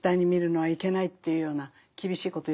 はい。